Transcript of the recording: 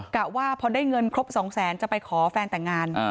กะว่าพอได้เงินครบ๒๐๐๐๐๐บาทจะไปขอแฟนแต่งงาน